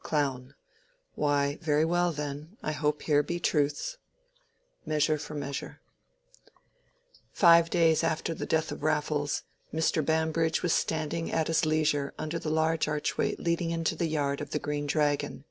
Clo. Why, very well then: I hope here be truths. —Measure for Measure. Five days after the death of Raffles, Mr. Bambridge was standing at his leisure under the large archway leading into the yard of the Green Dragon.